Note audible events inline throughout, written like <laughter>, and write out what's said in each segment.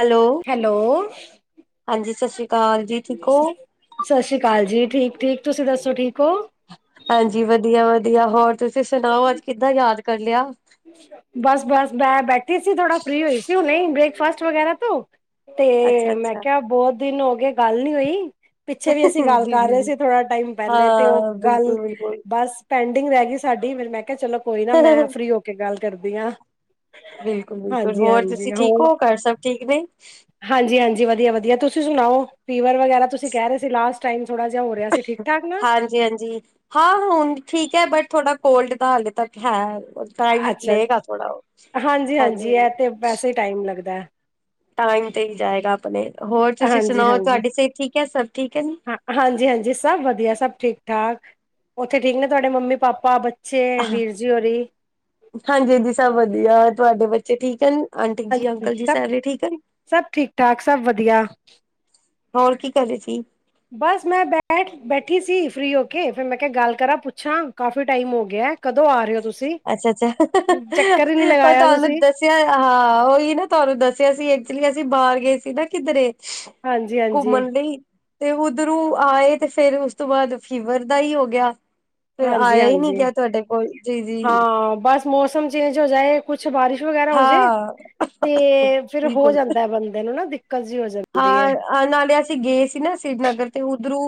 Hello hello ਹਾਂਜੀ ਸਤਿ ਸ੍ਰੀ ਅਕਾਲ ਜੀ ਠੀਕ ਹੋ ਸਸ ਸ੍ਰੀ ਕਾਲ ਜੀ ਠੀਕ-ਠੀਕ ਤੁਸੀਂ ਦੱਸੋ ਠੀਕ ਹੋ। ਹਾਂਜੀ ਵਧੀਆ-ਵਧੀਆ ਹੋਰ ਤੁਸੀਂ ਸੁਣਾਓ ਅੱਜ ਕਿੱਦਾਂ ਯਾਦ ਕਰ ਲਿਆ। ਬਸ-ਬਸ ਮੈਂ ਬੈਠੀ ਸੀ ਥੋੜਾ ਫ੍ਰਰੀ ਹੋਈ ਸੀ ਹੁ ਨਹੀਂ ਬ੍ਰੇਕਫਾਸਟ ਵਗੈਰਾ ਤੋਂ। ਅੱਛਾ ਤੇ ਮੈਂ ਅੱਛਾ ਕਿਹਾ ਬਹੁਤ ਦਿਨ ਹੋ ਗਏ ਗੱਲ ਨੀ ਹੋਈ। ਪਿੱਛੇ ਵੀ ਅਸੀਂ ਗੱਲ ਜੀ ਕਰ ਜੀ ਰਹੇ ਜੀ ਸੀ ਥੋੜਾ ਟਾਈਮ ਪਹਿਲੇ ਤੇ ਉਹ ਹਾਂ ਗੱਲ ਬਿਲਕੁਲ ਬਿਲਕੁਲ ਬਸ ਪੈਂਡਿੰਗ ਰਹਿ ਗਈ ਸਾਡੀ ਮੈਨੂੰ ਮੈਂ ਕਿਹਾ ਚਲੋ ਕੋਈ ਨਾ ਮੈਂ ਫ੍ਰਰੀ ਹੋ ਕੇ ਗੱਲ ਕਰਦੀ ਆਂ। ਬਿਲਕੁਲ ਬਿਲਕੁਲ ਹਾਂਜੀ ਹੋਰ -ਹਾਂਜੀ ਤੁਸੀਂ ਠੀਕ ਹੋਰ ਹੋ ਘਰ ਸਭ ਠੀਕ ਨੇ ਹਾਂਜੀ- ਹਾਂਜੀ ਵਧੀਆ -ਵਧੀਆ ਤੁਸੀਂ ਤੁਸੀਂ ਸੁਣਾਓ ਫੀਵਰ ਵਗੈਰਾ ਤੁਸੀਂ ਕਹਿ ਰਹੇ ਸੀ ਲਾਸਟ ਟਾਈਮ ਥੋੜਾ ਜਿਹਾ ਹੋ ਰਿਹਾ ਸੀ ਠੀਕ ਠਾਕ ਨਾ? ਹਾਂਜੀ -ਹਾਂਜੀ ਹਾਂ ਹੁਣ ਠੀਕ ਹੈ ਬਟ ਥੋੜ੍ਹਾ ਕੋਲਡ ਤਾ ਹਾਲੇ ਤੱਕ ਹੈ। ਟਾਈਮ ਅੱਛਾ ਲਏਗਾ ਥੋੜਾ ਉਹ ਹਾਂਜੀ- ਹਾਂਜੀ ਇਹ ਤੇ ਵੈਸੇ ਹੀ ਟਾਈਮ ਲੱਗਦਾ ਟਾਈਮ ਤੇ ਹੀ ਜਾਏਗਾ ਆਪਣੇ ਹੋਰ ਤੁਸੀਂ ਹਾਂਜੀ- ਸੁਣਾਓ ਹਾਂਜੀ ਤੁਹਾਡੀ ਸਿਹਤ ਠੀਕ ਹੈ ਸਭ ਠੀਕ ਹੈ ਹਾਂ ਹਾਂਜੀ -ਹਾਂਜੀ ਸਭ ਵਧੀਆ ਸਭ ਠੀਕ ਠਾਕ ਉੱਥੇ ਠੀਕ ਨੇ ਤੁਹਾਡੇ ਮੰਮੀ ਪਾਪਾ ਬ <inaudible> ਹਾਂਜੀ ਦੀ ਸਭ ਵਧੀਆ ਤੁਹਾਡੇ ਬੱਚੇ ਠੀਕ ਹਨ। ਆਂਟਿਕ ਜੀ ਹਾਂਜੀ ਅੰਕਲ ਜੀ ਸਾਰੇ ਠੀਕ ਹਨ। ਸਭ-ਸਭ ਠੀਕ-ਠਾਕ ਸਭ ਵਧੀਆ। ਹੋਰ ਕੀ ਕਰ ਰਹੇ ਸੀ। ਬਸ ਮੈਂ ਬੈਠ ਬੈਠੀ ਸੀ ਫਰੀ ਹੋ ਕੇ ਫਿਰ ਮੈਂ ਕਿਹਾ ਗੱਲ ਕਰਾਂ ਪੁੱਛਾਂ ਕਾਫੀ ਟਾਈਮ ਹੋ ਗਿਆ ਕਦੋਂ ਆ ਰਹੇ ਹੋ ਤੁਸੀਂ? ਅੱਛਾ -ਅੱਛਾ ਚੱਕਰ ਹੀ ਨੀ ਉਹ ਲਗਾਇਆ ਤੁਹਾਨੂੰ ਤੁਸੀਂ ਦੱਸਿਆ ਹਾਂ ਉਹੀ ਨਾ ਤੁਹਾਨੂੰ ਦੱਸਿਆ ਸੀ। ਇਸ ਲਈ ਅਸੀਂ ਬਾਹਰ ਗਏ ਸੀ ਨਾ ਕਿਧਰੇ ਹਾਂਜੀ-ਹਾਂਜੀ, ਘੁੰਮਣ ਲਈ ਤੇ ਉਧਰੋਂ ਆਏ ਤੇ ਫੇਰ ਉਸ ਤੋਂ ਬਾਅਦ ਫੀਵਰ ਦਾ ਹੀ ਹੋ ਗਿਆ। ਫਿਰ ਆਇਆ ਹੀ ਨਹੀ ਹਾਂਜੀ-ਹਾਂਜੀ। ਗਿਆ ਤੁਹਾਡੇ ਕੋਲ ਜੀ- ਜੀ। ਹਾਂ ਬਸ ਮੌਸਮ ਚੇਜ ਹੋ ਜਾਏ ਕੁਛ ਸਿ ਬਾਰਿਸ਼ ਵਗੈਰਾ ਹੋਜੇ ਹਾਂ ਤੇ ਫਿਰ ਹੋ ਬਿਲਕੁਲ ਜਾਂਦਾ ਬੰਦੇ ਨੂੰ ਨਾ ਜਿਹੀ ਹੋ ਜਾਂਦੀ ਹੈ। ਹਾਂ ਨਾਲੇ ਅਸੀਂ ਗਏ ਸੀ ਨਾ ਸ੍ਰੀਨਗਰ ਤੇ ਉੱਧਰੋਂ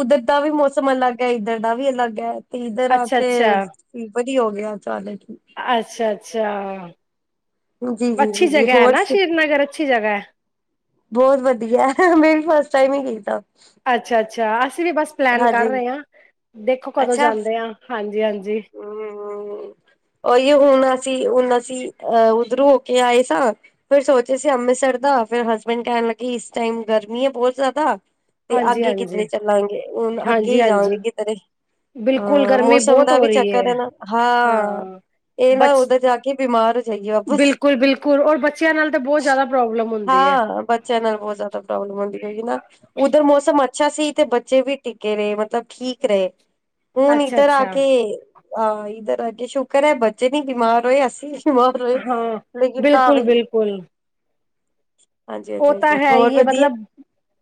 ਉੱਧਰ ਦਾ ਵੀ ਮੌਸਮ ਅਲੱਗ ਹੈ ਇੱਧਰ ਦਾ ਵੀ ਅਲੱਗ ਹੈ ਤੇ ਇੱਧਰ ਆ ਕੇ ਕੀ ਹੋ ਗਿਆ ਅਚਾਨਕ ਅੱਛਾ -ਅੱਛਾ ਅੱਛੀ ਜੀ-ਜੀ-ਜੀ-ਜੀ ਜਗਾ ਹੈ ਨਾ ਹੋਰ ਸ਼੍ਰੀਨਗਰ ਅੱਛੀ ਜਗ੍ਹਾ ਬਹੁਤ ਵਧੀਆ ਮੈਂ ਵੀ ਫਸਟ ਟਾਈਮ ਹੀ ਗਈ ਸਾ। ਅੱਛਾ- ਅੱਛਾ ਅਸੀਂ ਵੀ ਬਸ ਪਲੈਨ ਹਾਂਜੀ ਕਰ ਰਹੇ ਆਂ। ਦੇਖੋ ਕਦੋਂ ਅੱਛਾ ਜਾਂਦੇ ਹਮ ਹਾਂ ਹਾਂਜੀ- ਹਾਂਜੀ ਹੀ ਹੁਣ ਅਸੀਂ ਉਹਣ ਅਹ ਉਧਰੋਂ ਹੋ ਕੇ ਆਏ ਸਾਂ ਫਿਰ ਸੋਚੇ ਸੀ ਅੰਮ੍ਰਿਤਸਰ ਦਾ ਫੇਰ ਹਸਬੈਂਡ ਕਹਿਣ ਲੱਗੀ ਇਸ ਟੈਮ ਗਰਮੀ ਹੈ ਬਹੁਤ ਜ਼ਿਆਦਾ ਤੇ ਹਾਂਜੀ ਅੱਗੇ ਕਿਧਰੇ ਹਾਂਜੀ ਚੱਲਾਂਗੇ ਹੁਣ ਅੱਗੇ ਹਾਂਜੀ ਹੀ ਹਾਂਜੀ ਜਾਵਾਂਗੇ ਕਿਧਰੇ ਬਿਲਕੁਲ ਆ ਗਰਮੀ ਮੌਸਮ ਬਹੁਤ ਦਾ ਹੋ ਵੀ ਰਹੀ ਚੱਕਰ ਹੈ ਨਾ ਹਾਂ ਇਹ ਨਾ ਬਚ ਉੱਧਰ ਜਾ ਕੇ ਬਿਮਾਰ <inaudible> ਬਿਲਕੁਲ ਬਿਲਕੁਲ ਔਰ ਬੱਚਿਆਂ ਨਾਲ ਤਾਂ ਬਹੁਤ ਜ਼ਿਆਦਾ ਪ੍ਰੋਬਲਮ ਹੁੰਦੀ ਹੈ ਹਾਂ ਬੱਚਿਆਂ ਨਾਲ ਬਹੁਤ ਜ਼ਿਆਦਾ ਪ੍ਰੋਬਲਮ ਵਧੀਆ ਹ ਨਾ ਹੈਗੀ ਨਾ ਉੱਧਰ ਮੌਸਮ ਅੱਛ ਅੱਛਾ ਸੀ ਤੇ ਬੱਚੇ ਵੀ ਟਿੱਕੇ ਰਹੇ ਮਤਲਬ ਠੀਕ ਰਹੇ ਹੁਣ ਅੱਛਾ ਇੱਧਰ ਆ ਅੱਛਾ ਕੇ ਹਾਂ ਇੱਧਰ ਅੱਗੇ ਸ਼ੁਕਰ ਹੈ ਬੱਚੇ ਨੀ ਬਿਮਾਰ ਹੋਏ ਅ ਮਾਰ ਰਹੇ ਹਾਂ ਲੇਕਿਨ ਤਾਂ ਬਿਲਕੁਲ ਵੀ ਬਿਲਕੁਲ ਹਾਂਜੀ ਹਾਂਜੀ ਉਹ ਤਾਂ ਹਾਂਜੀ ਹੈ ਹੋਰ ਹੀ ਹੈ ਵਧੀਆ ਮਤਲਬ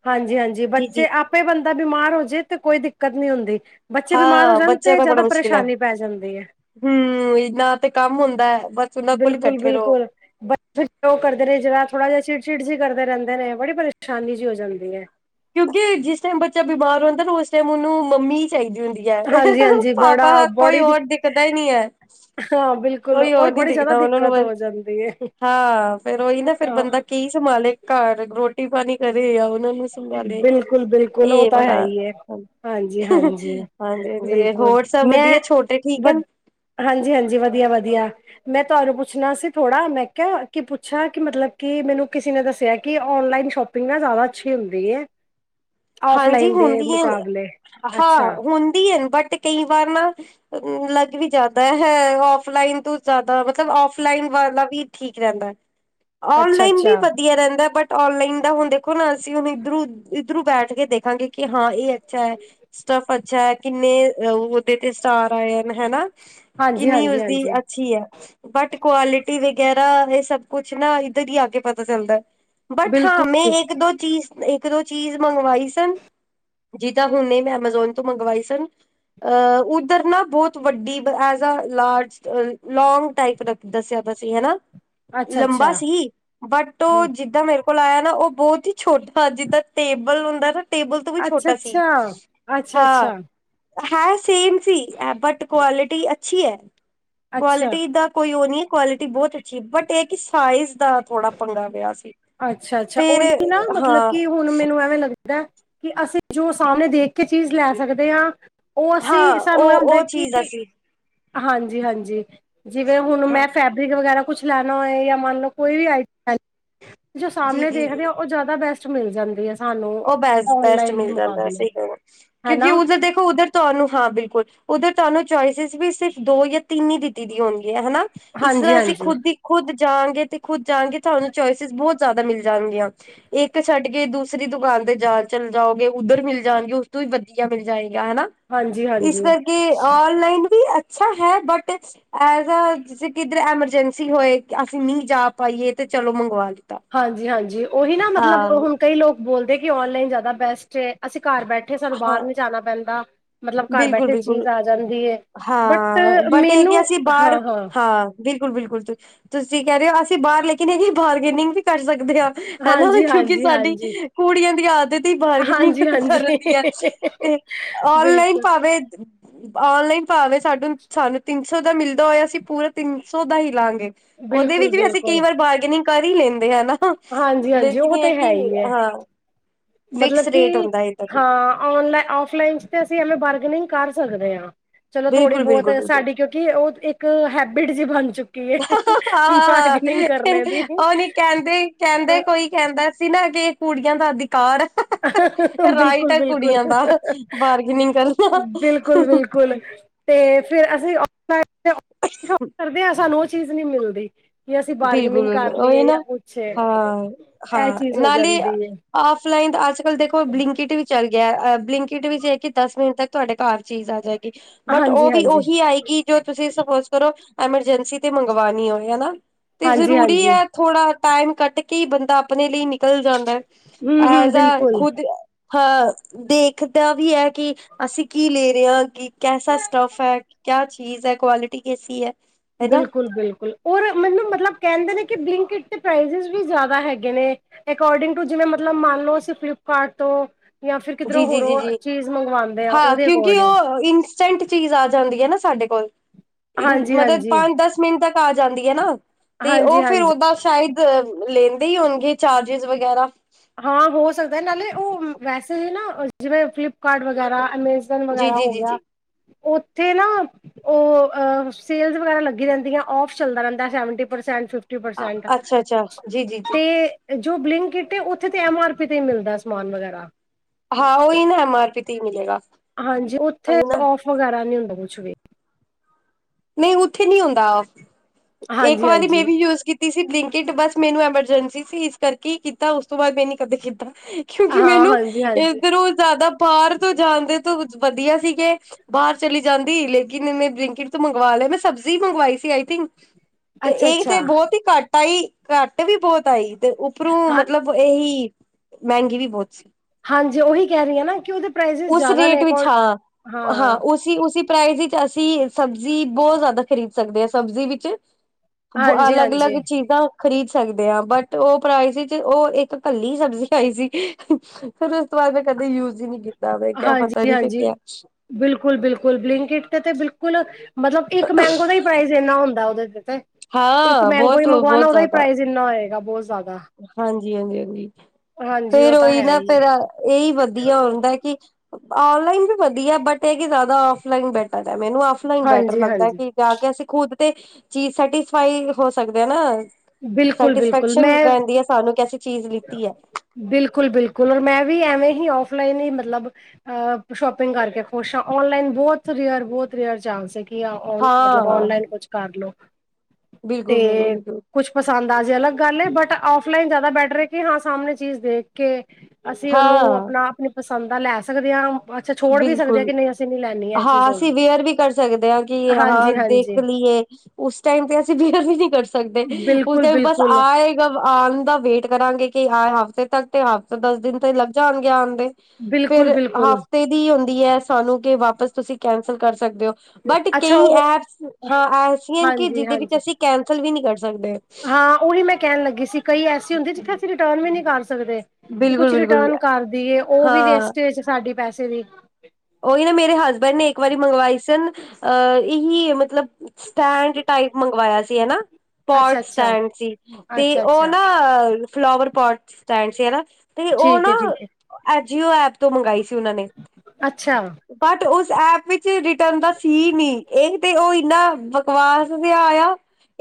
ਹਾਂਜੀ -ਹਾਂਜੀ ਜੀ ਜੀ। ਬੱਚੇ ਆਪੇ ਬੰਦਾ ਬਿਮਾਰ ਹੋ ਜੇ ਤੇ ਕੋਈ ਦਿੱਕਤ ਨੀ ਹੁੰਦੀ ਬੱਚੇ ਬਿਮਾਰ ਹੋ ਹਾਂ ਜਾਣ ਤੇ ਜਿਆਦਾ ਪਰੇਸ਼ਾਨੀ ਪੈ ਜਾਂਦੀ ਹੈ। ਹੂੰ ਇਹਨਾ ਤੇ ਕੰਮ ਹੁੰਦਾ ਹੈ ਬਸ ਉਹਨਾਂ ਕੋਲ ਹੀ ਬਿਲਕੁਲ- ਬੈਠੇ ਰਹੋ। ਬਿਲਕੁਲ ਉਹ ਕਰਦੇ ਰਹੇ ਜਿਹੜਾ ਥੋੜਾ ਜਿਹਾ ਚਿੜਚਿ ਚਿੜ ਜੀ ਕਰਦੇ ਰਹਿੰਦੇ ਨੇ ਬੜੀ ਪਰੇਸ਼ਾਨੀ ਜਿ ਹੋ ਜਾਂਦੀ ਹੈ। ਕਿਉਂਕਿ ਜਿਸ ਟਾਈਮ ਬੱਚਾ ਬਿਮਾਰ ਹੁੰਦਾ ਨਾ ਉਸ ਟਾਈਮ ਉਹਨੂੰ ਮੰਮੀ ਚਾਹੀਦੀ ਹੁੰਦੀ ਹੈ ਹਾਂਜੀ-ਹਾਂਜੀ ਬੜਾ ਪਾਪਾ ਕੋਈ ਬੜੀ ਦਿ ਹੋਰ ਦਿੱਖਦਾ ਹੀ ਨਹੀਂ ਹੈ। ਹਾਂ ਬਿਲਕੁਲ ਕੋਈ ਔਰ ਹੋਰ ਨੀ ਬੜੀ ਜ਼ਿਆਦਾ ਦਿਖਦਾ ਉਹਨਾਂ ਨੂੰ ਦਿੱਕਤ ਬਸ ਹੋ ਜਾਂਦੀ ਏ। ਹਾਂ ਫਿਰ ਉਹੀ ਨਾ ਫਿਰ ਅ ਬੰਦਾ ਕੀ ਸੰਭਾਲੇ ਘਰ ਰੋਟੀ ਪਾਣੀ ਕਰੇ ਆ ਉਹਨਾਂ ਨੂੰ ਸੰਭਾਲੇ ਬਿਲਕੁਲ-ਬਿਲਕੁਲ ਉਹ ਇਹ ਤਾਂ ਬੜਾ ਹੈ ਈ ਏ। ਹਾਂਜੀ-ਹਾਂਜੀ ਹਾਂਜੀ- ਹਾਂਜੀ ਬਿਲਕੁਲ ਹੋਰ ਸਭ ਵਧੀਆ ਛੋਟੇ ਠੀਕ ਹਨ। ਹਾਂਜੀ- ਹਾਂਜੀ, ਵਧੀਆ ਵਧ ਵਧੀਆ ਮੈਂ ਤੁਹਾਨੂੰ ਪੁੱਛਣਾ ਸੀ ਥੋੜਾ ਮੈਂ ਕਿਹਾ ਕਿ ਪੁੱਛਾਂ, ਕਿ ਮਤਲਬ ਕਿ ਮੈਨੂੰ ਕਿਸੇ ਨੇ ਦੱਸਿਆ ਕਿ ਔਨਲਾਈਨ ਸ਼ੋਪਿੰਗ ਨਾ ਜ਼ਿਆਦਾ ਅੱਛੀ ਹੁੰਦੀ ਐ। ਹਾਂਜੀ ਹੁੰਦੀ ਐ, ਹਾਂ ਹੁੰਦੀ ਐ ਬਟ ਤੇ ਕਈ ਵਾਰ ਨਾ ਲੱਗ ਵੀ ਜਾਂਦਾ ਹੈ, ਔਫਲਾਈਨ ਤੋਂ ਜ਼ਿਆਦਾ ਮਤਲਬ ਔਫਲਾਈਨ ਵਾਲਾ ਵੀ ਠੀਕ ਰਹਿੰਦਾ। ਔਨਲਾਈਨ ਵੀ ਅੱਛਾ-ਅੱਛਾ-ਅੱਛਾ ਵਧੀਆ ਰਹਿੰਦਾ, ਬਟ ਔਨਲਾਈਨ ਦਾ ਹੁਣ ਦੇਖੋ ਨਾ ਅਸੀਂ ਹੁਣ ਇਧਰ ਇਧਰੋ ਬੈਠ ਕੇ ਦੇਖਾਂਗੇ ਕਿ ਹਾਂ ਇਹ ਅੱਛਾ ਹੈ, ਸਟੱਫ ਅੱਛਾ ਹੈ ਕਿੰਨੇ ਉਹਦੇ ਤੇ ਸਟਾਰ ਆਏ ਹਨ, ਹਨਾ। ਹਾਂਜੀ ਕਿੰਨੀ ਹਾਂਜੀ ਉਸਦੀ ਹਾਂਜੀ ਅੱਛੀ ਐ। ਬਟ ਕੁਆਲਿਟੀ ਵਗੈਰਾ ਇਹ ਸਬ ਕੁਛ ਨਾ ਇਧਰ ਹੀ ਆ ਕੇ ਪਤਾ ਚੱਲਦਾ। ਬਟ ਹਾਂ ਮੈਂ ਬਿਲਕੁਲ ਇੱਕ ਦੋ ਚੀਜ਼- ਇੱਕ ਦੋ ਚੀਜ਼ ਮੰਗਵਾਈ ਸਨ। ਜਿੱਦਾਂ ਹੁਣ ਮੈਂ ਐਮਾਜ਼ੋਨ ਤੋਂ ਮੰਗਵਾਈ ਸਨ। ਅ ਉਧਰ ਨਾ ਬਹੁਤ ਵੱਡੀ ਐਜ ਅ ਲਾਰਜ ਲੋਂਗ ਟਾਇਪ ਦੱਸਿਆ। ਸੀ ਹਨਾ ਅੱਛਾ ਅੱਛਾ ਲੰਬਾ ਸੀ, ਬਟ ਹਮ ਉਹ ਜਿੱਦਾਂ ਮੇਰੇ ਕੋ ਕੋਲ ਆਇਆ ਨਾ ਉਹ ਬਹੁਤ ਹੀ ਛੋਟਾ, ਜਿੱਦਾਂ ਟੇਬਲ ਹੁੰਦਾ ਨਾ। ਟੇਬਲ ਤੋਂ ਵੀ ਅੱਛਾ ਛੋਟਾ ਸੀ, ਅੱਛਾ ਅੱਛਾ ਹਾਂ ਅੱਛਾ ਹੈ ਸੇਮ ਸੀ ਐਹ ਬਟ ਕੁਆਲਿਟੀ ਅੱਛੀ ਐ, ਅੱਛਾ ਕੁਆਲਿਟੀ ਦਾ ਕੋਈ ਉਹ ਨਹੀਂ ਏ। ਕੁਆਲਿਟੀ ਬਹੁਤ ਅੱਛੀ, ਬਟ ਇਹ ਕਿ ਸਾਈਜ਼ ਦਾ ਥੋੜਾ ਪੰਗਾ ਪਿਆ ਸੀ। ਅੱਛਾ- ਅੱਛਾ, ਫੇਰ ਉਹੀ ਨਾ ਮਤਲਬ ਹਾਂ ਕਿ ਹੁਣ ਮੈਨੂੰ ਐਵੇਂ ਲੱਗਦਾ ਕਿ ਅਸੀਂ ਜੋ ਸਾਹਮਣੇ ਦੇਖ ਕੇ ਚੀਜ਼ ਲੈ ਸਕਦੇ ਹਾਂ ਉਹ ਹਾਂ ਅਸੀਂ ਸਾਨੂੰ ਇਹ ਉਹ ਹੁੰਦਾ ਉਹ ਕਿ ਚੀਜ਼ ਅਸੀਂ ਹਾਂਜੀ- ਹਾਂਜੀ, ਜਿਵੇਂ ਹੁਣ ਹਾਂ ਮੈਂ ਫੈਬਰਿਕ ਵਗੈਰਾ- ਕੁਛ ਲੈਣਾ ਹੋਏ ਜਾਂ ਮੰਨ ਲਓ ਕੋਈ ਵੀ ਆਈ ਜੋ ਜੀ ਸਾਹਮਣੇ ਜੀ ਦੇਖਦੇ ਜੀ ਹੋ, ਉਹ ਜ਼ਿਆਦਾ ਬੈਸਟ ਮਿਲ ਜਾਂਦੀ ਐ। ਉਹ ਬੈਸ ਬੈਸਟ ਮਿਲ ਜਾਂਦਾ ਸਹੀ ਕਹਿਣਾ, ਕਿਉਂਕਿ ਹਨਾ ਉਧਰ ਦੇਖੋ ਉਧਰ ਤੁਹਾਨੂੰ ਹਾਂ ਬਿਲਕੁਲ ਉਧਰ ਤੁਹਾਨੂੰ ਚੋਇਸਿਸ ਵੀ ਸਿਰਫ ਦੋ ਜਾਂ ਤਿੰਨ ਹੀ ਦਿੱਤੀ ਦੀ ਹੋਣੀ। ਹਨਾ ਇਸ ਹਾਂਜੀ ਤਰ੍ਹਾਂ ਅਸੀਂ ਹਾਂਜੀ ਖੁਦ ਹੀ ਖੁਦ ਜਾਂਗੇ ਤੇ ਖੁਦ ਜਾਂਗੇ ਤੁਹਾਨੂੰ ਚੋਇਸਿਸ ਬਹੁਤ ਜ਼ਿਆਦਾ ਮਿਲ ਜਾਣਗੀਆਂ, ਇੱਕ ਛੱਡ ਕੇ ਦੂ ਦੂਸਰੀ ਦੁਕਾਨ ਤੇ ਜਾ ਚੱਲ ਜਾਓਗੇ, ਉੱਧਰ ਮਿਲ ਜਾਣਗੇ ਉਸ ਤੋਂ ਵੀ ਵਧੀਆ ਮਿਲ ਜਾਏ। ਹਨਾ ਹਾਂਜੀ ਇਸ ਹਾਂਜੀ ਕਰਕੇ ਔਨਲਾਈਨ ਵੀ ਐ ਅੱਛਾ ਹੈ ਬਟ ਐ ਗਾ, ਜੇ ਕਿੱਧਰ ਐਮਰਜੈਂਸੀ ਹੋਏ ਅਸੀਂ ਨਹੀਂ ਜਾ ਪਾਈਏ ਤੇ ਚਲੋ ਮੰਗਵਾ ਲਿੱਤਾ। ਹਾਂਜੀ -ਹਾਂਜੀ ਉਹੀ ਨਾ ਮਤਲਬ ਹਾਂ ਹੁਣ ਕਈ ਲੋਕ ਬੋਲਦੇ ਕਿ ਔਨਲਾਈਨ ਜ਼ਿਆਦਾ ਬੈਸਟ ਐ, ਅਸੀਂ ਘਰ ਬੈਠੇ ਸਾਨੂੰ ਹਾਂ ਬਾਹਰ ਨੀ ਜਾਣਾ ਪੈਂਦਾ, ਮਤਲਬ ਘਰ ਬਿਲਕੁਲ ਬੈਠੇ ਬਿਲਕੁਲ ਚੀਜ਼ ਆ ਜਾਂਦੀ ਏ। ਬਟ ਹਾਂ ਬਟ ਇਹ ਮੈਨੂੰ ਕਿ ਅਸੀਂ ਬਾਹਰ ਹਾਂ ਹਾਂ, ਬਿਲਕੁਲ- ਬਿਲਕੁਲ ਤੁਸੀਂ ਕਹਿ ਰਹੇ ਹੋ ਅਸੀਂ ਬਾਹਰ ਲੇਕਿਨ ਇਹ ਬਾਰਗੀਨਿੰਗ ਵੀ ਕਰ ਸਕ ਦੇ ਆ ਹਨਾ, ਹਾਂਜੀ ਕਿਉਂਕਿ ਹਾਂਜੀ ਸਾਡੀ ਹਾਂਜੀ ਕੁੜੀਆਂ ਦੀ ਆਦਤ ਹੀ ਬਾਰਗੀਨਿੰਗ ਹਾਂਜੀ ਹਾਂਜੀ ਕਰਨ ਦੀ ਐ। ਤੇ ਔਨਲਾਈਨ ਬਿਲਕੁਲ ਭਾਵੇ- ਔਨਲਾਈਨ ਭਾਵੇ ਸਾਨੂੰ- ਸਾਨੂੰ ਤਿੰਨ ਸੌ ਸੌ ਦਾ ਮਿਲਦਾ ਹੋਇਆ ਅਸੀਂ ਪੂਰਾ ਤਿੰਨ ਸੌ ਦਾ ਹੀ ਲਾਂਗੇ, ਉਹਦੇ ਬਿਲਕੁਲ ਵਿੱਚ ਵੀ ਅਸੀਂ ਕਈ ਬਿਲਕੁਲ ਵਾਰ ਬਾਰਗੀਨਿੰਗ ਕਰ ਹੀ ਲੈਂਦੇ ਹਾਂ ਨਾ, ਹਾਂਜੀ ਹਾਂਜੀ ਲੇਕਿਨ ਉਹ ਇਹ ਹੈ ਤੇ ਕਿ ਹੀ ਹੈ ਹਾਂ ਮਤਲਬ ਫਿਕਸ ਕਿ ਰੇਟ ਹੁੰਦਾ ਇਹਦਾ ਹਾਂ ਵੀ ਔਨ ਔਫਲਾਈਨ ਤੇ ਅਸੀਂ ਐਵੇਂ ਵਰ ਨਈ ਕਰ ਸਕਦੇ ਆਂ, ਚਲੋ ਥੋੜੀ ਬਹੁਤ ਬਿਲਕੁਲ-ਬਿਲਕੁਲ-ਬਿਲਕੁਲ ਸਾਡੀ ਕਿਉਂਕਿ ਉਹ ਇੱਕ ਹੈਬਿਟ ਜੀ ਬਣਜੂ। ਹੈ, ਹੈ, ਹਾਂ -ਹਾਂ -ਹਾਂ, ਦੀ ਉਹ ਨੀ ਕਹਿੰਦੇ। ਅ ਕਹਿੰਦੇ ਕੋਈ ਕਹਿੰਦਾ ਸੀ ਨਾ ਕਿ ਕੁੜੀਆਂ ਦਾ ਅਧਿ ਕਾਰ ਐ, ਰਾਈਟ ਬਿਲਕੁਲ ਐ ਬਿਲਕੁਲ ਕੁੜੀਆਂ ਦਾ ਬਾਰਗੀਨਿੰਗ ਕਰਨਾ। ਹੁਣ ਤੇ ਫਿਰ ਅਸੀਂ ਆਫ ਸਾਈਈਡ ਤੇ ਜੋਬ ਕਰਦੇ ਹਾਂ, ਸਾਨੂੰ ਉਹ ਚੀਜ਼ ਨਹੀਂ ਮਿਲਦੀ। ਅਸੀਂ ਬਿਲਕੁਲ- ਬਾਰਗਨਿੰਗ ਕਰ ਬਿਲਕੁਲ ਉਹੀ ਲਈਏ ਜਾਂ ਨਾ ਕੁਛ ਇਹ ਹਾਂ, ਹਾਂ ਚੀਜ਼ ਹੋ ਨਾਲੇ ਜਾਂਦੀ ਹੈ ਔਫਲਾਈਨ ਦਾ ਅੱਜ ਅੱਜ -ਕੱਲ ਦੇਖੋ ਬਲਿੰਕਿਟ ਵੀ ਚੱਲ ਗਿਆ, ਬਲਿੰਕਿਟ ਵਿੱਚ ਇਹ ਕਿ ਦਸ ਮਿੰਟ ਤੱਕ ਤੁਹਾਡੇ ਘਰ ਚੀਜ਼ ਆ ਜਾਏਗੀ। ਬਟ ਹਾਂਜੀ ਉਹ ਵੀ ਹਾਂਜੀ ਉਹੀ ਆਏਗੀ, ਜੋ ਤੁਸੀਂ ਸਪੋਜ ਕਰੋ। ਐਮਰਜੈਂਸੀ ਤੇ ਮੰਗਵਾਣੀ ਹੋਏ ਹਨਾ, 'ਤੇ ਹਾਂਜੀ ਜਰੂਰੀ ਹਾਂਜੀ ਹੈ ਥੋੜਾ ਟਾਈਮ ਕੱਢ ਕੇ ਬੰਦਾ ਆਪਣੇ ਲਈ ਨਿਕਲ ਜਾਂਦਾ, ਹਮ ਹਮ ਐਜ ਏ ਬਿਲਕੁਲ ਖੁਦ ਹਾਂ, ਦੇਖਦਾ ਵੀ ਹੈ, ਕਿ ਅਸੀਂ ਕੀ ਲੈ ਰਹੇ ਹਾਂ, ਕਿ ਕੈਸਾ ਸਟੱਫ ਹੈ, ਕਿਆ ਚੀਜ਼ ਹੈ, ਕੁਆਲਿਟੀ ਕੈਸੀ ਹੈ। ਹੈਨਾ ਬਿਲਕੁਲ, ਬਿਲਕੁਲ ਔਰ ਮੈਨੂੰ ਮਤਲਬ ਮਤਲਬ ਕਹਿੰਦੇ ਨੇ- ਕਿ ਬਲਿੰਕਿਟ ਦੇ ਪ੍ਰਾਈਜ ਵੀ ਜਿਆਦਾ ਹੈਗੇ ਨੇ, ਅਕੋਰਡਿੰਗ ਟੂ ਜਿਵੇਂ ਮਤਲਬ ਮੰਨ ਲਓ। ਫਿਲਿਪਕਾਰਟ ਤੋਂ, ਜਾਂ ਫਿਰ ਕਿਧਰੋਂ ਹੋਰੋਂ ਜੀ-ਜੀ-ਜੀ-ਜੀ ਚੀਜ਼ ਮੰਗਵਾਉਂਦੇ ਆ ਹਾਂ, ਉਹਦੇ ਕਿਉਂਕਿ ਅਕੋਰਡਿੰਗ ਉਹ ਇੰਸਟੈਂਟ ਚੀਜ਼ ਆ ਜਾਂਦੀ ਹੈ ਨਾ। ਸਾਡੇ ਕੋਲ ਹਾਂਜੀ ਮਤਲਬ ਹਾਂਜੀ ਪੰਜ-ਦਸ ਮਿੰਟ ਤੱਕ ਆ ਜਾਂਦੀ ਹੈ ਨਾ। ਤੇ ਉਹ ਫਿਰ ਹਾਂਜੀ-ਹਾਂਜੀ ਉਹਦਾ ਸ਼ਾਇਦ ਲੈਂਦੇ ਹੀ ਹੋਣਗੇ, ਚਾਰਜਸ ਵਗੈਰਾ ਹਾਂ, ਹੋ ਸਕਦਾ, ਨਾਲੇ ਉਹ ਵੈਸੇ ਹੀ ਨਾ ਜਿਵੇਂ, ਫਲਿਪਕਾਰਟ ਵਗੈਰਾ ਅਮੇਜ਼ਨ ਜੀ ਵਗੈਰਾ ਜੀ ਹੋ ਜੀ ਗਿਆ, ਜੀ ਉਹ 'ਤੇ ਨਾ ਉਹ ਅ ਸੇਲਜ ਵਗੈਰਾ ਲੱਗੀ ਰਹਿੰਦੀਆਂ, ਔਫ ਚੱਲਦਾ ਰਹਿੰਦਾ ਸੇਵ੍ਵੇੰਟੀ ਪਰਸੇੰਟ। ਪਰਸੈਂਟ, ਅੱਛਾ ਅੱਛਾ ਜੀ ਜੀ ਜੀ ਤੇ ਜੋ ਬਲਿੰਕਕਿੱਟ ਹੈ, ਉੱਥੇ ਤੇ ਐਮ ਆਰ ਪੀ 'ਤੇ ਹੀ ਮਿਲਦਾ ਸਮਾਨ ਵਗੈਰਾ। ਹਾਂ, ਉਹੀ ਨਾ ਐਮ ਆਰ ਪੀ 'ਤੇ ਹੀ ਮਿਲੇਗਾ। ਹਾਂਜੀ, ਉੱਥੇ ਨਾ ਔਫ ਵਗੈਰਾ ਨਹੀਂ ਹੁੰਦਾ ਕੁਛ ਵੀ ਨਹੀਂ ਉੱਥੇ ਨਹੀਂ ਹੁੰਦਾ ਉਹ। ਇੱਕ ਵਾਰੀ ਮੈਂ ਹਾਂਜੀ-ਹਾਂਜੀ ਵੀ ਯੂਜ ਕੀਤੀ ਸੀ, ਬਲਿੰਕਿਟ ਬਸ ਮੈਨੂੰ ਐਮਰਜੈਂਸੀ 'ਤੇ ਅਸੀ ਇਸ ਕਰਕੇ ਹੀ ਕੀਤਾ, ਉਸ ਤੋਂ ਬਾਅਦ ਮੈਂ ਨੀ ਕਦੇ ਕੀਤਾ। ਕਿਉਂਕਿ ਹਾਂ ਮੈਨੂੰ ਹਾਂਜੀ-ਹਾਂਜੀ ਇੱਧਰੋਂ ਜ਼ਿਆਦਾ ਬਾਹਰ ਤੋਂ ਜਾਣ ਦੇ ਇਸ ਤੋਂ ਕੁਝ ਵਧੀਆ ਸੀਕੇ, ਬਾਹਰ ਚਲੀ ਜਾਂਦੀ ਲੇਕਿਨ ਇੰਨੇ ਬਲਿੰਕਿਟ ਤੋਂ ਮੰਗਵਾ ਲਏ, ਮੈਂ ਸਬਜ਼ੀ ਮੰਗਵਾਈ ਸੀ, ਆਈ ਥਿੰਕ 'ਤੇ ਇਹੀ ਤੇ ਅੱਛਾ-ਅੱਛਾ ਬਹੁਤ ਹੀ ਘੱਟ ਤਾਈ ਘੱਟ ਵੀ ਬਹੁਤ ਆਈ। 'ਤੇ ਉੱਪਰੋਂ ਹਾਂ ਮਤਲਬ ਇਹੀ ਮਹਿੰਗੀ ਵੀ ਬਹੁਤ ਸੀ। ਹਾਂਜੀ ਉਹੀ ਕਹਿ ਰਹੀ ਆ ਨਾ ਕਿ ਉਹਦੇ ਪ੍ਰਾਈਸਿਸ ਉਸ ਜ਼ਿਆਦਾ ਨੇ ਰੇਟ ਵਿੱਚ ਕੋਲ ਹਾਂ, ਹਾਂ, ਉਸੀ, ਉਸੀ ਪ੍ਰਾਈਸ ਵਿੱਚ ਅਸੀਂ ਸਬਜ਼ੀ ਬਹੁਤ ਜ਼ਿਆਦਾ ਖਰੀਦ ਸਕਦੇ ਆਂ, ਸਬਜ਼ੀ ਵਿੱਚ ਹਾਂਜੀ-ਹਾਂਜੀ ਅਲੱਗ-ਅਲੱਗ ਚੀਜ਼ਾਂ, ਖ਼ਰੀਦ ਸਕਦੇ ਹਾਂ, ਬਟ ਉਹ ਪ੍ਰਾਈਸ ਚ ਉਹ ਇੱਕ ਕੱਲੀ ਸਬਜ਼ੀ ਆਈ ਸੀ, ਫਿਰ ਪਰ ਮੈਂ ਕਦੇ ਯੂਜ ਹੀ ਨਹੀਂ ਕੀਤਾ। ਮੈਂ ਕਿਹਾ ਪਤਾ ਨੀ ਫਿਰ ਹਾਂਜੀ-ਹਾਂਜੀ, ਕਿਆ ਬਿਲਕੁਲ-ਬਿਲਕੁਲ ਬਲਿੰਕਿੱਟ 'ਤੇ ਬਿਲਕੁਲ ਮਤਲਬ ਇੱਕ ਮੈਂਗੋ ਦਾ ਹੀ ਪ੍ਰਾਈਸ ਇੰਨਾ ਹੁੰਦਾ ਉਹਦੇ 'ਤੇ ਇੱਕ ਹਾਂ ਮੈਂਗੋ ਹੀ ਮੰਗਵਾਉਣਾ, ਬਹੁਤ-ਬਹੁਤ ਉਹਦਾ ਹੀ ਜ਼ਿਆਦਾ ਪ੍ਰਾਈਜ਼ ਇੰਨਾ ਹੋਏਗਾ। ਬਹੁਤ ਜ਼ਿਆਦਾ ਹਾਂਜੀ-ਹਾਂਜੀ-ਹਾਂਜੀ, ਹਾਂਜੀ ਫੇਰ ਉਹ ਤਾਂ ਉਹੀ ਹੈ ਨਾ, ਹੀ ਫੇਰਾ ਇਹੀ ਹੈ। ਵਧੀਆ ਹੁੰਦਾ ਕਿ ਔਨਲਾਈਨ ਵੀ ਵਧੀਆ, ਬਟ ਇਹ ਹੈ ਕਿ ਜ਼ਿਆਦਾ ਆਫਲਾਈਨ ਬੈਟਰ। ਮੈਨੂੰ ਆਫਲਾਈਨ ਬੈਟਰ ਲੱਗਦਾ ਹੈ, ਹਾਂਜੀ-ਹਾਂਜੀ ਕਿ ਜਾ ਕੇ ਅਸੀਂ ਖੁਦ 'ਤੇ ਚੀਜ਼ ਸੈਟਿਸਫਾਈ ਹੋ ਸਕਦਾ ਆ ਨਾ, ਬਿਲਕੁਲ, ਬਿਲਕੁਲ ਸੈਟਿਸਫੈਕਸ਼ਨ ਮੈਂ, ਰਹਿੰਦੀ ਹੈ ਸਾਨੂੰ ਕਿ ਅਸੀਂ ਚੀਜ਼ ਲਿੱਤੀ ਹੈ ਬਿਲਕੁਲ-ਬਿਲਕੁਲ ਔਰ ਮੈਂ ਵੀ ਐਵੇਂ, ਆਫਲਾਈਨ ਹੀ ਮਤਲਬ ਸ਼ੋਪਿੰਗ ਕਰਕੇ ਖੁਸ਼ ਹਾਂ, ਔਨਲਾਈਨ ਬਹੁਤ ਰੇਅਰ ਬਹੁਤ ਰੇਅਰ ਚਾਂਸ ਹੈਗੇ। ਕਿ ਓਨ ਮਤਲਬ ਔਨਲਾਈਨ ਕੁਛ ਕਰਲੋ। ਬਿਲਕੁਲ-ਬਿਲਕੁਲ-ਬਿਲੁਕੁਲ, ਕੁਛ ਪਸੰਦ ਆ ਜੇ ਅਲੱਗ ਗੱਲ ਹੈ, ਬਟ ਔਫਲਾਈਨ ਜ਼ਿਆਦਾ ਬੈਟਰ ਹੈ ਕਿ ਹਾਂ ਸਾਹਮਣੇ ਚੀਜ਼ ਦੇਖ ਕੇ ਅਸੀਂ ਉਹਨੂੰ ਹਾਂ ਆਪਣਾ ਆਪਣੀ ਪਸੰਦ ਦਾ ਲੈ ਸਕਦੇ ਹਾਂ, ਅੱਛਾ ਛੋੜ ਵੀ ਸਕਦੇ ਹਾਂ ਬਿਲਕੁਲ ਕਿ ਨਹੀਂ ਅਸੀਂ ਨਹੀਂ ਹਾਂ ਅਸੀਂ ਵੀਅਰ ਵੀ ਕਰ ਸਕਦੇ ਹਾਂ, ਕਿ ਹਾਂ ਹਾਂਜੀ ਦੇਖ ਹਾਂਜੀ ਲਈਏ ਉਸ ਟਾਈਮ ਤੇ ਅਸੀਂ ਵੀ ਵੀ ਨਹੀਂ ਕਰ ਸਕਦੇ ਉਸ ਬਿਲਕੁਲ ਤੇ ਬਸ ਬਿਲਕੁਲ ਆਏਗਾ ਆਣ ਦਾ ਵੇਟ ਕਰਾਂਗੇ, ਕਿ ਆ ਹਫ਼ਤੇ ਤੱਕ ਤੇ ਹਫਤਾ ਦਸ ਦਿਨ ਤੇ ਲੱਗ ਜਾਣਗੇ, ਆਂਦੇ ਬਿਲਕੁਲ ਫਿਰ ਹਫ ਬਿਲਕੁਲ ਦੀ ਹੁੰਦੀ ਹੈ ਸਾਨੂੰ ਕਿ ਵਾਪਸ ਤੁਸੀਂ ਕੈਂਸਲ ਕਰ ਸਕਦੇ ਹੋ। ਬਟ ਅੱਛਾ ਕਈ ਉਹ ਐਪਸ ਹਾਂ ਐਸੀਆਂ ਕਿ ਹਾਂਜੀ ਜਿਹਦੇ ਵਿੱਚ ਹਾਂਜੀ ਅਸੀਂ ਕੈਂਸਲ ਵੀ ਨਹੀ ਕਰ ਸਕ ਹਾਂ ਉਹੀ ਮੈਂ ਕਹਿਣ ਲੱਗੀ ਸੀ ਕਈ ਐਸੇ ਹੁੰਦੇ ਜਿੱਥੇ ਅਸੀਂ ਰਿਟਰਣ ਵੀ ਨਹੀਂ ਕਰ ਸਕ ਸਕਦੇ ਕਿ ਬਿਲਕੁਲ ਕੁਛ ਬਿਲਕੁਲ ਰਿਟਰਨ ਕਰਦੀਏ ਉਹ ਵੀ ਹਾਂ ਵੇਸਟੇਜ ਸਾਡੇ ਪੈਸੇ ਦੀ ਉਹੀ ਨਾ ਮੇਰੇ ਹਸਬੈਂਡ ਨੇ ਇੱਕ ਵਾਰੀ ਮੰਗਵਾਈ ਸਨ ਅ ਇਹੀ ਮਤਲਬ ਸਟੈਂਡ ਟਾਈਪ ਮੰਗਵਾਇਆ ਸੀ ਹਨਾ। ਅੱਛਾ ਪੋਟ ਅੱਛਾ ਸਟੈਂਡ ਸੀ ਤੇ ਅੱਛਾ ਉਹ ਅੱਛਾ ਨਾ ਫਲਾਵਰ ਪੋਟ ਸੋਟ ਸਟੈਂਡ ਸੀ ਤੇ ਉਹ ਠੀਕ ਨਾ ਹੈ ਠੀਕ ਹੈ ਐਜੀਓ ਐਪ ਤੋਂ ਮੰਗਾਈ ਸੀ ਉਹਨਾ ਨੇ ਅੱਛਾ ਬਟ ਉਸ ਐਪ ਵਿੱਚ ਰਿਟਰਨ ਦਾ ਸੀ ਨਹੀਂ ਇਹ ਤੇ ਉਹ ਇੰਨਾ ਬਕਵਾਸ ਵੀ ਆਇਆ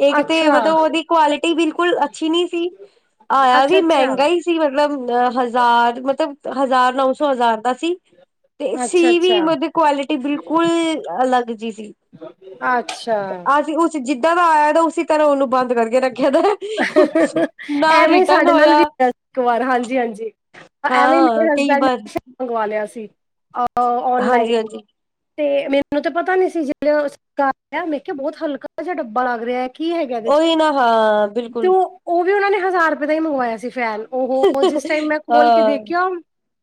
ਇੱਕ ਤੇ ਅੱਛਾ ਮਤਲਬ ਉਹਦੀ ਕੁਆਲਿਟੀ ਬਿਲਕੁਲ ਅੱਛੀ ਨੀ ਸੀ। ਆਇਆ ਅੱਛਾ ਵੀ ਅੱਛਾ ਮਹਿੰਗਾ ਹੀ ਸੀ ਮਤਲਬ ਅ ਹਜ਼ਾਰ ਮਤਲਬ ਹਜ਼ਾਰ ਨੌ ਸੌ ਹਜ਼ਾਰ ਦਾ ਸੀ। ਤੇ ਸੀ ਅੱਛਾ-ਅੱਛਾ, ਵੀ ਮਤਬ ਕੁਆਲਿਟੀ ਬਿਲਕੁਲ ਅਲੱਗ ਜਿ ਸੀ। ਅੱਛਾ। ਅਸੀਂ ਉਸ ਜਿੱਦਾਂ ਦਾ ਆਇਆ ਤਾਂ ਉਸੀ ਤਰਾਂ ਉਹਨੂੰ ਬੰਦ <inaudible> ਕਰਕੇ ਰੱਖਿਆ ਦਾ ਨਾ ਐਵੇਂ ਰਿਟਰਨ ਸਾਡੇ ਨਾਲ ਹੋਇਆ ਵੀ ਆਇਆ ਸੀ ਇੱਕ ਵਾਰ ਹਾਂਜੀ -ਹਾਂਜੀ ਐਵੇਂ ਹਾਂ ਮੇਰੇ ਕਈ ਹਸਬੈਂਡ ਵਾਰ ਨੇ ਮੰਗਵਾ ਲਿਆ ਸੀ ਹਾਂਜੀ ਓਨਲਾਈਨ ਹਾਂਜੀ ਤੇ ਮੈਨੂੰ ਤਾਂ ਪਤਾ ਨੀ ਸੀ ਜਦ ਸਰ ਮੇ ਕਿਹਾ ਬਹੁਤ ਹਲਕਾ ਜਿਹਾ ਡੱਬਾ ਲੱਗ ਰਿਹਾ। ਕੀ ਹੈਗਾ ਇਹਦੇ 'ਚ ਉਹੀ ਨਾ ਹਾਂ ਤੇ ਬਿਲਕੁਲ ਉਹ ਉਹ ਵੀ ਉਹਨਾ ਨੇ ਹਜ਼ਾਰ ਰੁਪਏ ਦਾ ਹੀ ਮੰਗਵਾਇਆ ਸੀ ਫੈਨ ਉਹ ਜਿਸ ਟਾਈਮ ਮੈਂ ਖੋਲ ਕੇ ਹਾਂ ਦੇਖਿਆ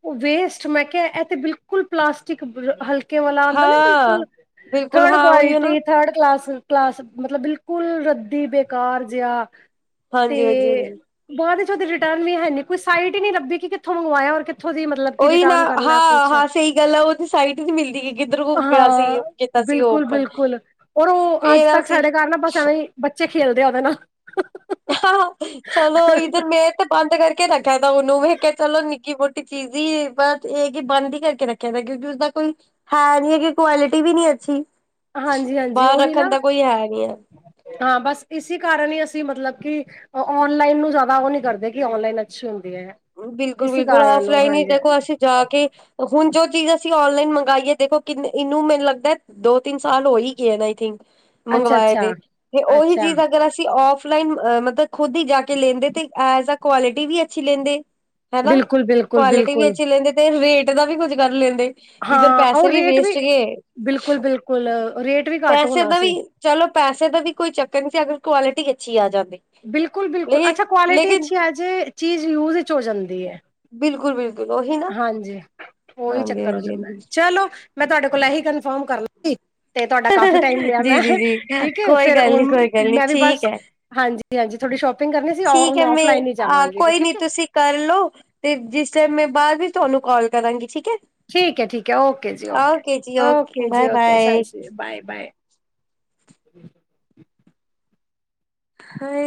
ਉਹ ਵੇਸਟ ਮੈਂ ਕਿਹਾ ਇਹ ਤੇ ਬਿਲਕੁਲ ਪਲਾਸਟਿਕ ਬਿਲਕੁਲ ਹਲਕੇ ਹਲਕੇ ਵਾਲਾ ਆਉਦਾ ਨਾ ਹਾਂ ਬਿਲਕੁਲ ਬਿਲਕੁਲ ਥਰਡ ਹਾਂ ਉਹੀਓ ਨਾ ਕੁਆਲਿਟੀ ਥਰਡ ਕਲਾਸ -ਕਲਾਸ ਮਤਲਬ ਬਿਲਕੁਲ ਕੁਲ ਰੱਦੀ ਬੇਕਾਰ ਜਿਹਾ ਹਾਂਜੀ ਹਾਂਜੀ ਤੇ ਹਾਂਜੀ ਬਾਅਦ 'ਚ ਓਦੀ ਰਿਟਰਨ ਵੀ ਹੈਨੀ ਕੋਈ ਸਾਈਟ ਨੀ ਲੱਭਦੀ ਕਿ ਕਿੱਥੋਂ ਮੰਗਵਾਇਆ ਔਰ ਕਿਤ ਉਹੀ ਨਾ ਹਾਂ-ਹਾਂ ਸਹੀ ਗੱਲ ਹੈ, ਉਹਦੀ ਸਾਈਟ ਹੀ ਨੀ ਮਿਲਦੀ ਕਿ ਕਿਦਰੋ ਗਿਆ ਸੀ ਹਾਂ ਚੇਤਾ ਬਿਲਕੁਲ -ਬਿਲਕੁਲ ਔਰ ਉਹ ਅੱਜ ਫੇਰ ਤੱਕ ਅਸੀਂ ਸਾਡੇ ਘਰ ਨਾ ਬਸ ਐਵੇਂ ਬੱਚੇ ਖੇਲਦੇ ਆ ਉਹਦੇ ਨਾਲ <inaudible> ਚਲੋ ਇਧਰ ਮੇ ਤੇ ਬੰਦ ਕਰਕੇ ਕਰਕੇ ਰੱਖਿਆ ਤਾਂ ਉਹਨੂੰ ਵੀੇ ਕਹਿਆ ਚਲੋ ਨਿੱਕੀ ਮੋਟੀ ਚੀਜ਼ ਹੀ ਬ ਇਹ ਕਿ ਬੰਦ ਹੀ ਕਰਕੇ ਰੱਖਿਆ ਤ ਕਿਉਂਕਿ ਉਸਦਾ ਕੋਈ ਹਾਂ ਨੀ ਅਗੇ ਕੁਆਲਿਟੀ ਵੀ ਨੀ ਅੱਛੀ। ਹਾਂਜੀ -ਹਾਂਜੀ ਬਾਹਰ ਉਹੀ ਰੱਖਣ ਨਾ ਦਾ ਕੋਈ ਹੈ ਨੀ ਹੈ। ਹਾਂ ਬਸ ਇਸੀ ਕਾਰਨ ਹੀ ਅਸੀਂ ਮਤਲਬ ਕਿ ਔਨਲਾਈਨ ਨੂੰ ਜ਼ਿਆਦਾ ਉਹ ਨੀ ਕਰਦੇ ਕਿ ਔਨਲਾਈਨ ਅੱਛੇ ਹੋਣ ਬਿਲਕੁਲ -ਬਿਲਕੁਲ ਆਫਲਾਈਨ ਹੀ ਦੇਖੋ ਹਾਂਜੀ ਅਸੀਂ ਜਾ ਕੇ ਹੁਣ ਜੋ ਚੀਜ਼ ਅਸੀਂ ਆਨਲਾਈਨ ਮੰਗਾਈਏ ਦੇਖੋ ਕਿੰਨ ਇਹਨੂੰ ਮੈਨੂੰ ਲੱਗਦਾ ਦੋ ਤਿੰਨ ਸਾਲ ਹੋ ਹੀ ਗਏ ਨੇ ਆਈਥਿੰਕ ਅੱਛਾ ਮੰਗਵਾਏ ਅੱਛਾ ਦੇ ਤੇ ਉਹੀ ਅੱਛਾ ਚੀਜ਼ ਅਗਰ ਅਸੀਂ ਆਫਲਾਈਨ ਅ ਮਤਲਬ ਖੁਦ ਹੀ ਜਾ ਕੇ ਲੈਂਦੇ ਤੇ ਐਜ ਆ ਕੁਆਲਿਟੀ ਵੀ ਅੱਛੀ ਲੈਂਦੇ। ਹਨਾ ਬਿਲਕੁਲ, ਬਿਲਕੁਲ, ਕੁਆਲਿਟੀ ਵੀ ਬਿਲਕੁਲ ਅੱਛੀ ਲੈਂਦੇ ਤੇ ਰੇਟ ਦਾ ਵੀ ਕੁੱਝ ਕਰ ਲੈਂਦੇ। ਇੱਧਰ ਹਾਂ ਪੈਸੇ ਔਰ ਵੀ ਰੇਟ ਵੇਸਟ ਗਏ ਬਿਲਕੁਲ, ਬਿਲਕੁਲ ਰੇਟ ਵੀ ਘੱਟ ਪੈਸੇ ਹੋਣਾ ਦਾ ਸੀ। ਵੀ ਚਲੋ। ਪੈਸੇ ਦਾ ਵੀ ਕੋਈ ਚੱਕਰ ਨਹੀ ਸੀ ਅਗਰ ਕੁਆਲਿਟੀ ਅੱਛੀ ਆ ਜਾਂਦੀ ਬਿਲਕੁਲ -ਬਿਲਕੁਲ ਲੇ ਅੱਛਾ ਕੁਆਲਿਟੀ ਲੇਕਿਨ ਅੱਛੀ ਆਜੇ ਚੀਜ਼ ਯੂਜ 'ਚ ਹੋ ਜਾਂਦੀ ਏ। ਬਿਲੁਕੁਲ- ਬਿਲਕੁ ਹਾਂਜੀ ਓਹੀ ਚੱਕਰ ਹੋ ਜਾਂਦਾ ਹਾਂਜੀ-ਹਾਂਜੀ-ਹਾਂਜੀ ਚਲੋ ਮੈਂ ਤੁਹਾਡੇ ਕੋਲ ਇਹੀ ਕਨਫਰਮ ਕਰਨਾ ਸੀ। ਤੇ ਤੁਹਾਡਾ ਕਾਫੀ ਟਾਈਮ ਲਿਆ ਜੀ ਮੈਂ ਜੀ ਜੀ ਠੀਕੇ ਕੋਈ ਫਿਰ ਗੱਲ ਨੀ ਹੁਣ ਕੋਈ ਗੱਲ ਨੀ ਮੈਂ ਵੀ ਠੀਕ ਬਸ ਹੈ ਹਾਂਜੀ। ਹਾਂਜੀ -ਹਾਂਜੀ ਥੋਡੀ ਸ਼ੋਪ ਠੀਕ ਹੈ ਮੈਂ ਆਹ ਕੋਈ ਨੀ ਠੀਕ ਐ। ਤੁਸੀਂ ਕਰਲਓ ਤੇ ਜਿਸ ਟਾਈਮ ਮੈਂ ਬਾਅਦ ਵਿੱਚ ਤੁਹਾਨੂੰ ਕੋਲ ਕਰਾਂਗੀ ਠੀਕ ਹੈ ਠੀਕ ਹੈ ਠੀਕ ਹੈ ਓਕੇ ਜੀ ਓਕੇ ਜੀ -ਓਕੇ ਜੀ ਬਾਏ ਓਕੇ ਸਤਿ ਬਾਏ ਸ੍ਰੀ ਬਾਏ -ਬਾਏ। ਹਾਏ